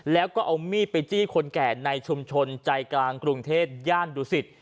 แล้วก็เอามีดไปจี้คนแก่ในชุมชนใจกลางกรุงเทพย่านดุสิต